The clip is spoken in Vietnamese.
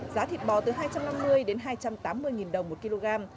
giá thịt bò từ hai trăm năm mươi đến hai trăm tám mươi đồng một kg